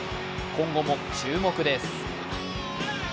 今後も注目です。